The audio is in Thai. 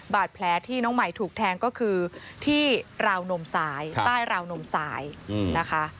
บาดแผลที่น้องใหม่ถูกแทงก็คือที่ราวนมซ้ายใต้ราวนมซ้ายนะคะ